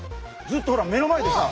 ずっとほら目の前でさ